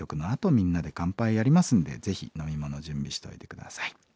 「みんなで乾杯」やりますんでぜひ飲み物準備しといて下さい。